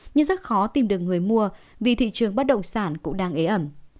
nhưng rất khó tìm được người mua vì thị trường bất động sản cũng đang ế ẩm